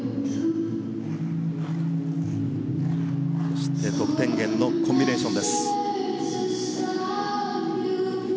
そして得点源のコンビネーションです。